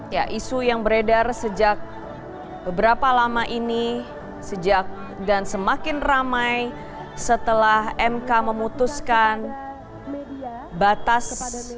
ya isu yang beredar sejak beberapa lama ini sejak dan semakin ramai setelah mk memutuskan batas